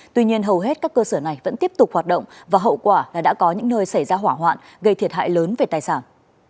tuy nhiên hầu hết các cơ sở này vẫn tiếp tục hoạt động và hậu quả là đã có những nơi xảy ra hỏa hoạn gây thiệt hại lớn về tài sản